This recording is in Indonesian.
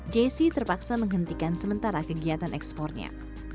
jessie terpaksa menghentikan sementara kegiatan ekspornya